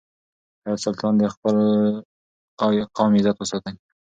حیات سلطان د خپل قوم عزت وساتی.